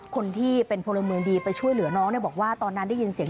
คนที่เป็นพลเมืองดีไปช่วยเหลือน้องเนี่ยบอกว่าตอนนั้นได้ยินเสียง